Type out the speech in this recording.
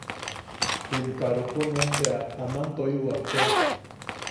jum karopo nuen bea aman toiwak tea.